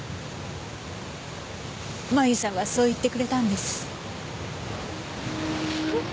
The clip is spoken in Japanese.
麻由さんはそう言ってくれたんです。